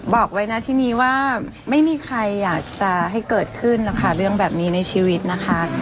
บอกไว้นะที่นี้ว่าไม่มีใครอยากจะให้เกิดขึ้นนะคะเรื่องแบบนี้ในชีวิตนะคะ